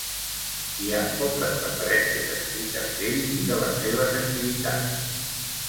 Hi ha poques referències escrites d'ell i de les seves activitats.